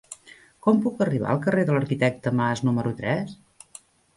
Com puc arribar al carrer de l'Arquitecte Mas número tres?